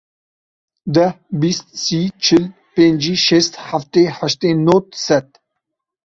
Deh, bîst, sî, çil, pêncî, şêst, heftê, heştê, nod, sed.